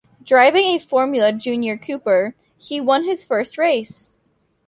Driving a Formula Junior Cooper, he won his first race.